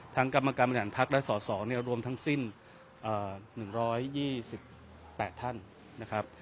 ทั้งกรรมการบริหารพรรคและส่อส่อเนี้ยรวมทั้งสิ้นเอ่อหนึ่งร้อยยี่สิบแปดท่านนะครับ